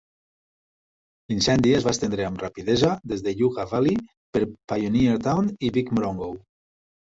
L'incendi es va estendre amb rapidesa des de Yucca Valley per Pioneertown i Big Morongo.